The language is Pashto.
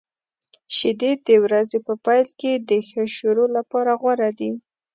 شیدې د ورځې په پیل کې د ښه شروع لپاره غوره دي.